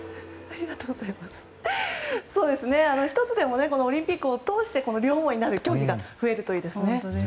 １つでもオリンピックを通して両思いになる競技が増えるといいですね。